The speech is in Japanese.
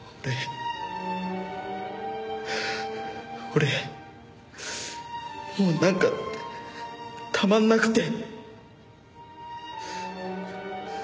俺もうなんかたまんなくて。